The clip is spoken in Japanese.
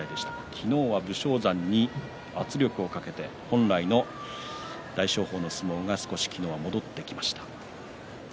昨日は武将山に圧力をかけて本来の大翔鵬の相撲昨日は少し戻ってきました。